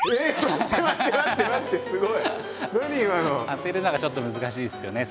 当てるのがちょっと難しいですよね